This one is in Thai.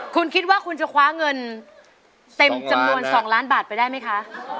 คุณคิดว่าคุณจะคว้าเงินเต็มจำนวน๒ล้านบาทไปได้ไหมคะ